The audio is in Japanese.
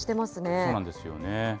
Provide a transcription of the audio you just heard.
そうなんですよね。